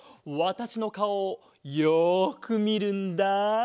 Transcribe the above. わたしのかおをよくみるんだ。